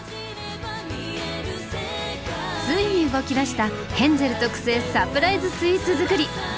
ついに動きだしたヘンゼル特製サプライズスイーツ作り。